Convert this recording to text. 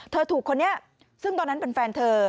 ถูกคนนี้ซึ่งตอนนั้นเป็นแฟนเธอ